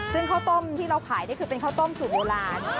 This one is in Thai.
ซึ่งข้าวต้มที่เราขายนี่คือเป็นข้าวต้มสูตรโบราณ